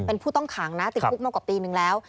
เป็นผู้ต้องขังติดกรุกเมื่อกว่าปีนึงแล้ว